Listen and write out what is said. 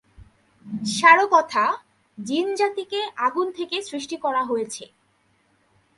সারকথা, জিন জাতিকে আগুন থেকে সৃষ্টি করা হয়েছে।